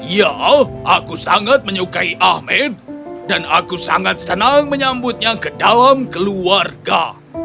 ya aku sangat menyukai ahmed dan aku sangat senang menyambutnya ke dalam keluarga